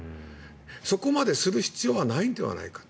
そこまでする必要はないのではないかと。